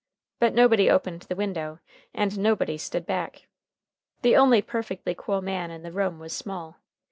But nobody opened the window, and nobody stood back. The only perfectly cool man in the room was Small.